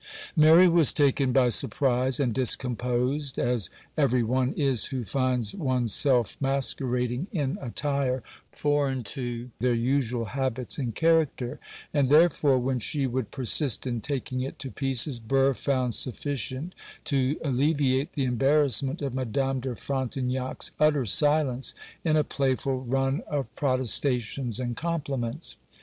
Mary was taken by surprise, and discomposed, as every one is who finds one's self masquerading in attire foreign to their usual habits and character; and therefore, when she would persist in taking it to pieces, Burr found sufficient to alleviate the embarrassment of Madame de Frontignac's utter silence in a playful run of protestations and compliments.